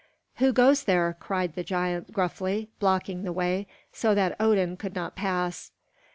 "Who goes there?" cried the giant gruffly, blocking the way so that Odin could not pass.